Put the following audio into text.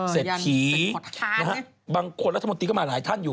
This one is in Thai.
เศรษฐีบางคนรัฐมนตรีก็มาหลายท่านอยู่